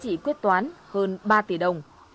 chỉ quyết toán hơn ba tỷ đồng